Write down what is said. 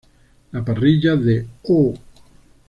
La parrilla de "Oh!